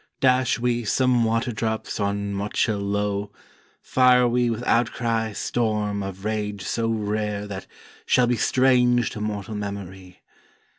Dash we some water drops on muchel lowe, Fire we with outcries storm of rage so rare That shall be strange to mortal memory.